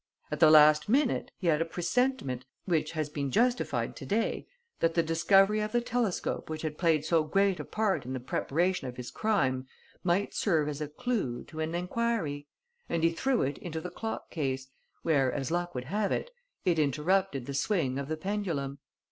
At the last minute, he had a presentiment, which has been justified to day, that the discovery of the telescope which had played so great a part in the preparation of his crime might serve as a clue to an enquiry; and he threw it into the clock case, where, as luck would have it, it interrupted the swing of the pendulum.